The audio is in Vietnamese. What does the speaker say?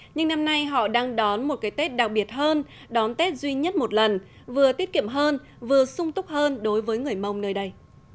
nhưng năm nay họ đang đón một cái tết đặc biệt hơn đón tết duy nhất một lần vừa tiết kiệm hơn vừa sung túc hơn đối với người mông nơi đây